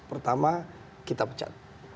pertama kita pecat